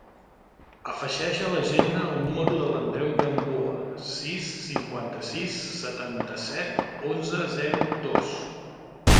Afegeix a l'agenda el número de l'Andreu Gamboa: sis, cinquanta-sis, setanta-set, onze, zero, dos.